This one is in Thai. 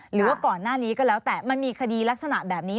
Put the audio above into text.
หรือว่าก่อนหน้านี้ก็แล้วแต่มันมีคดีลักษณะแบบนี้